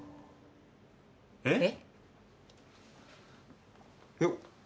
えっ？